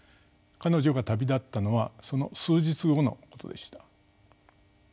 彼女が旅立ったのはその数日後のことでした。